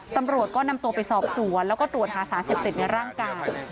ตำรวจก็นำตัวไปสอบสวนแล้วก็ตรวจหาสารเสพติดในร่างกาย